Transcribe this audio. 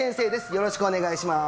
よろしくお願いします